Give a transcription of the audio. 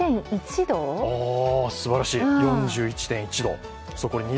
すばらしい、４１．１度。